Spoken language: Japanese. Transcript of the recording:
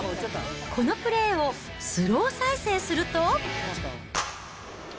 このプレーをスロー再生すると。